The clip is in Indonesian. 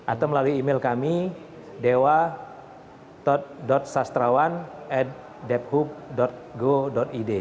atau melalui email kami dewa sastrawan ad debhub go id